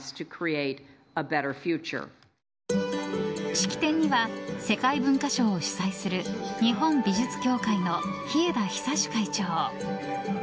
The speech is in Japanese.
式典には世界文化賞を主宰する日本美術協会の日枝久会長。